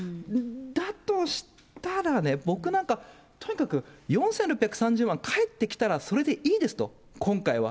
だとしたらね、僕なんか、とにかく４６３０万返ってきたら、それでいいですと、今回は。